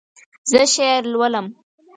زه شعر لولم